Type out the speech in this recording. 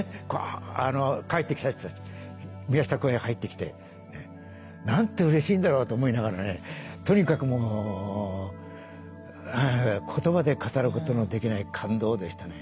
帰ってきた人たち宮下公園入ってきてなんてうれしいんだろうと思いながらねとにかくもう言葉で語ることのできない感動でしたね。